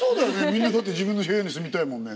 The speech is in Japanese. みんなだって自分の部屋に住みたいもんね。